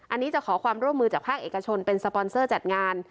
อันนี้จะขอความร่วมมือจากภาคเอกชนเป็นสปอนเซอร์จัดงาน